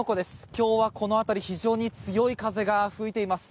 今日はこの辺り非常に強い風が吹いています。